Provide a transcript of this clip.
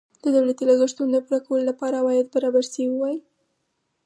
د دولتي لګښتونو د پوره کولو لپاره عواید برابر شوي وای.